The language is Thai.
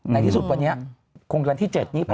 ในที่สุดวันนี้คงวันที่๗นี้